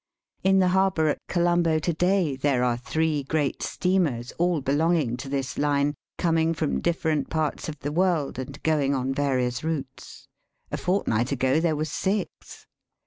In the harbom at Colombo to day there are three great steamers, all belonging to this line, coining from different parts of the world and going on various routes. A fortnight ago there were six.